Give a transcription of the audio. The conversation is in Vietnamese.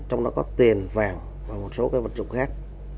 trong đó có tiền vàng và một số vật dụng khác